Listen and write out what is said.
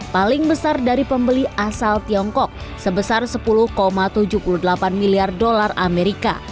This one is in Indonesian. paling besar dari pembeli asal tiongkok sebesar sepuluh tujuh puluh delapan miliar dolar amerika